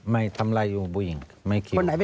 ไม่ทำร้ายอยู่ผู้หญิงไม่คิด